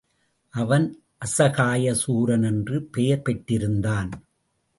அவன் அசகாய சூரன் என்று பெயர் பெற்றிருந்தான்.